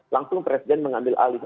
langsung presiden mengambil alih